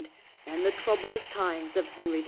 and the troublous times of Henry IV.